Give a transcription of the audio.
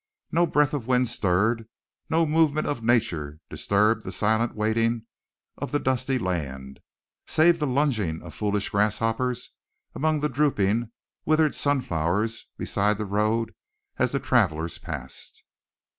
No breath of wind stirred, no movement of nature disturbed the silent waiting of the dusty land, save the lunging of foolish grasshoppers among the drooping, withered sunflowers beside the road as the travelers passed.